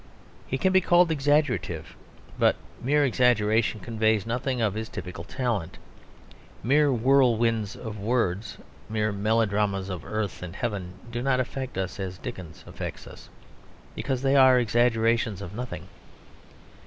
He can be called exaggerative; but mere exaggeration conveys nothing of his typical talent. Mere whirlwinds of words, mere melodramas of earth and heaven do not affect us as Dickens affects us, because they are exaggerations of nothing.